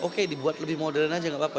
oke dibuat lebih modern aja gak apa apa